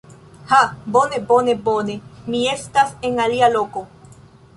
Ha! Bone, bone, bone. Mi estas en alia loko.